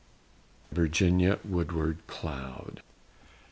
VIRGINIA WOODWARD CLOUD.